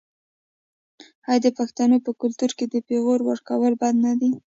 آیا د پښتنو په کلتور کې د پیغور ورکول بد نه دي؟